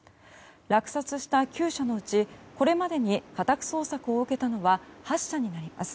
落札した９社のうちこれまでに家宅捜索を受けたのは８社になります。